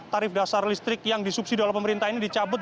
tarif dasar listrik yang disubsidi oleh pemerintah ini dicabut